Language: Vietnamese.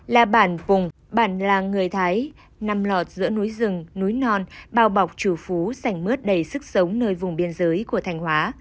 là bản vùng bản làng người thái nằm lọt giữa núi rừng núi non bao bọc chủ phú sảnh mướt đầy sức sống nơi vùng biên giới của thanh hóa